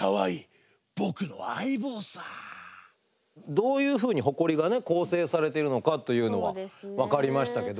どういうふうにホコリが構成されているのかというのは分かりましたけど。